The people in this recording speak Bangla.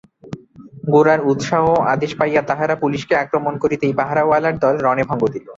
গোরার উৎসাহ ও আদেশ পাইয়া তাহারা পুলিসকে আক্রমণ করিতেই পাহারাওয়ালার দল রণে ভঙ্গ দিল।